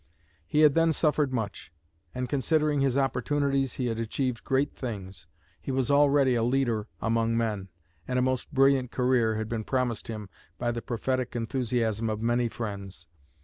He had then suffered much, and considering his opportunities he had achieved great things. He was already a leader among men, and a most brilliant career had been promised him by the prophetic enthusiasm of many friends.